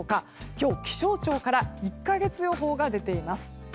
今日、気象庁から１か月予報が出ています。